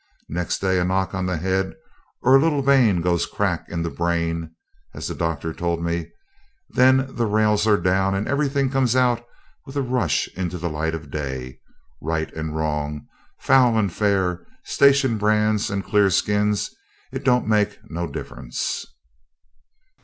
Next day a knock on the head or a little vein goes crack in the brain (as the doctor told me); then the rails are down, and everything comes out with a rush into the light of day right and wrong, foul and fair, station brands and clearskins, it don't make no difference.